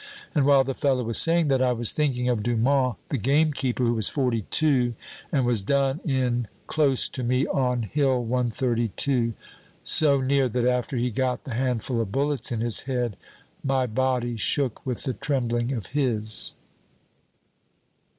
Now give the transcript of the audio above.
And while the fellow was saying that, I was thinking of Dumont the gamekeeper, who was forty two, and was done in close to me on Hill 132, so near that after he got the handful of bullets in his head, my body shook with the trembling of his."